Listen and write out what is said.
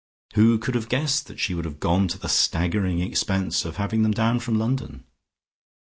Who could have guessed that she would have gone to the staggering expense of having them down from London?